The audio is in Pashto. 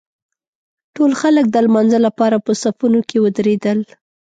ټول خلک د لمانځه لپاره په صفونو کې ودرېدل.